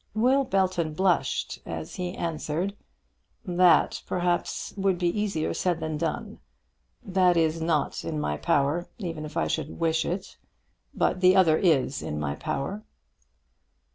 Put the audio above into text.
Will Belton blushed as he answered, "That, perhaps, would be easier said than done. That is not in my power, even if I should wish it. But the other is in my power."